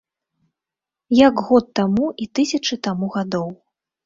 Як год таму і тысячы таму гадоў.